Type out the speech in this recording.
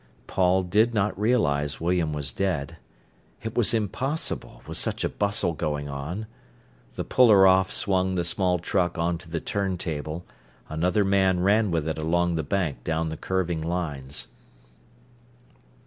Paul did not realise William was dead; it was impossible, with such a bustle going on. The puller off swung the small truck on to the turn table, another man ran with it along the bank down the curving lines.